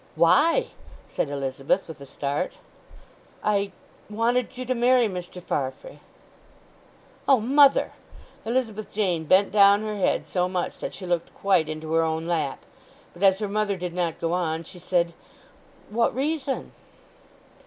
"Why?" said Elizabeth, with a start. "I—wanted you to marry Mr. Farfrae." "O mother!" Elizabeth Jane bent down her head so much that she looked quite into her own lap. But as her mother did not go on, she said, "What reason?"